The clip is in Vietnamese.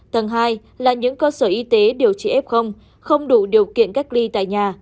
tầng hai là những cơ sở y tế điều trị f không đủ điều kiện cách ly tại nhà